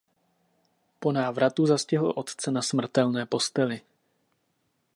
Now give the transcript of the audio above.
Po návratu zastihl otce na smrtelné posteli.